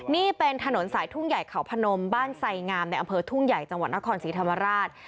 นี่เป็นถนนสายทุ่งใหญ่เขาพนมบ้านไสงามในอำเภอทุ่งใหญ่จังหวัดนครศรีธรรมราช